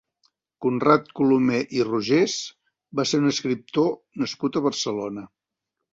Conrad Colomer i Rogés va ser un escriptor nascut a Barcelona.